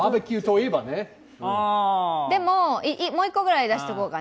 でももう一個ぐらい出しとこうか？